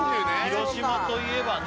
広島といえばね